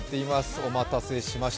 お待たせしました。